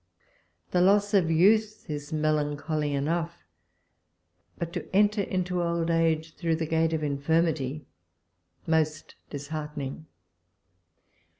The loss of youth is melancholy enough ; but to enter into old age through the gate of infirmity most dis heartening.